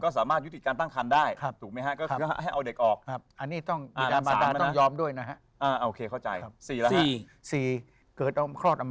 ก็สามารถยุติการตั้งครรภ์ได้ถูกไหมครับ